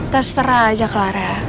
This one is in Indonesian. terserah aja clara